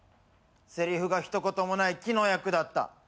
せりふが一言もない木の役だった。